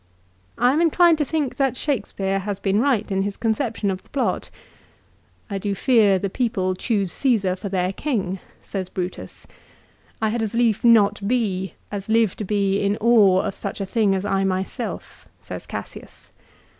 I am inclined to think that Shakespeare has been right in his conception of the plot. " I do fear the people Choose Csesar for their king," says Brutus. " I had as lief not be, as live to be In awe of such a thing as I my self," says Cassius.